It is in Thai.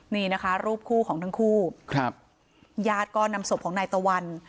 นี่นะคะรูปคู่ของทั้งคู่ครับญาติก็นำศพของนายตะวัน